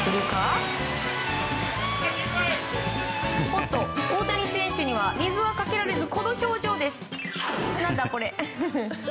おっと、大谷選手は水をかけられずこの表情です。